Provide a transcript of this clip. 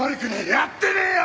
やってねえよ！